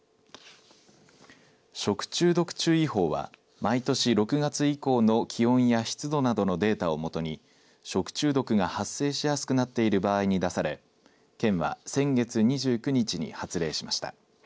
食中毒注意報は毎年６月以降の気温や湿度などのデータをもとに食中毒が発生しやすくなっている場合に出され県は先月２９日に発令しました。